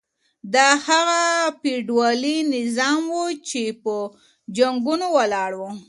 دا هغه فيوډالي نظام و چي په جنګونو ولاړ و.